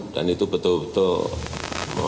dan itu betul betul menghentikan kita semuanya